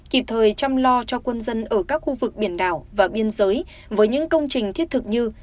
kịp thời chăm lo cho quân dân ở các khu vực biển đảo và biên giới với những công trình thiết thực như